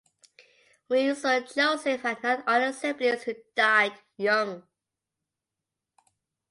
Wenzel Joseph had nine other siblings who died young.